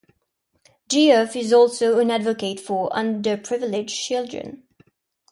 Geoff is also an advocate for underprivileged children.